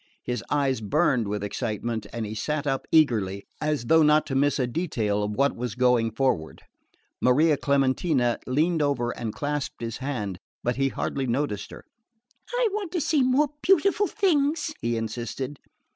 His eyes burned with excitement, and he sat up eagerly, as though not to miss a detail of what was going forward. Maria Clementina leaned over and clasped his hand, but he hardly noticed her. "I want to see some more beautiful things!" he insisted.